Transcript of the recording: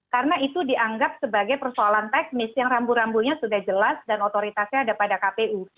karena itu dianggap sebagai persoalan teknis yang rambu rambunya sudah jelas dan otoritasnya ada pada kpu